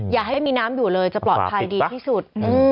อย่าให้มีน้ำอยู่เลยจะปลอดภัยดีที่สุด